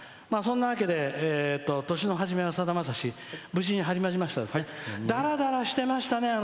そんなわけで「年の初めはさだまさし」始まりましたけどだらだらしてましたね。